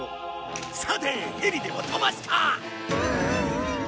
さてヘリでも飛ばすか！